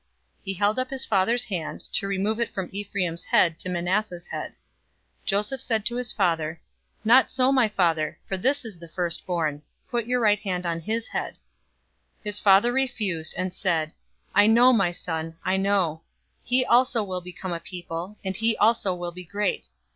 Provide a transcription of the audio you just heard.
He held up his father's hand, to remove it from Ephraim's head to Manasseh's head. 048:018 Joseph said to his father, "Not so, my father; for this is the firstborn; put your right hand on his head." 048:019 His father refused, and said, "I know, my son, I know. He also will become a people, and he also will be great.